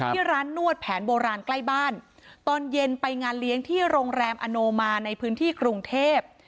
ที่ร้านนวดแผนโบราณใกล้บ้านตอนเย็นไปงานเลี้ยงที่โรงแรมอโนมาในพื้นที่กรุงเทพ